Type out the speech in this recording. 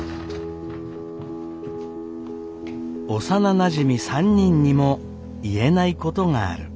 幼なじみ３人にも言えないことがある。